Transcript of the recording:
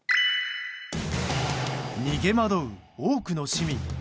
逃げ惑う多くの市民。